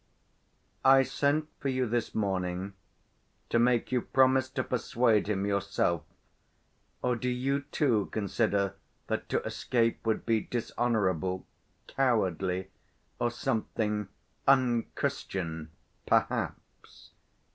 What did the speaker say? "I sent for you this morning to make you promise to persuade him yourself. Or do you, too, consider that to escape would be dishonorable, cowardly, or something ... unchristian, perhaps?"